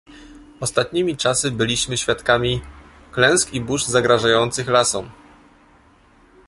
Ostatnimi czasy byliśmy świadkami klęsk i burz zagrażających lasom